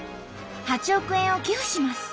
「８億円を寄付します！！